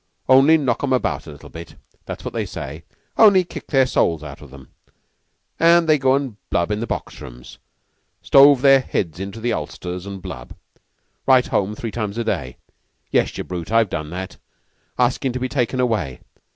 Only knock 'em about a little bit. That's what they say. Only kick their souls out of 'em, and they go and blub in the box rooms. Shove their heads into the ulsters an' blub. Write home three times a day yes, you brute, I've done that askin' to be taken away.